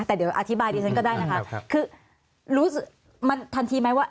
แต่เดี๋ยวอธิบายดิฉันก็ได้นะคะคือรู้สึกมันทันทีไหมว่า